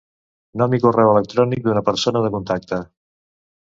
Nom i correu electrònic d'una persona de contacte.